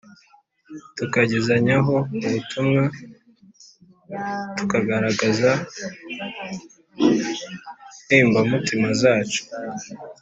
tukagezanyaho ubutumwa, tukagaragaza n’imbamutima zacu.